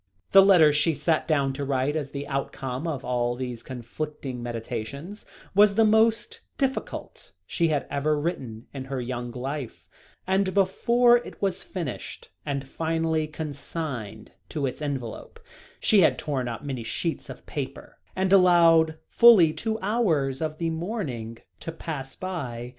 The letter she sat down to write as the outcome of all these conflicting meditations, was the most difficult she had ever written in her young life; and before it was finished, and finally consigned to its envelope, she had torn up many sheets of paper, and allowed fully two hours of the morning to pass by.